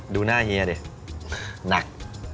ดูหน้าเฮียดิหนัก